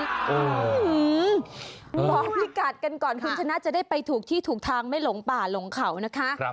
บอกพี่กัดกันก่อนคุณชนะจะได้ไปถูกที่ถูกทางไม่หลงป่าหลงเขานะคะ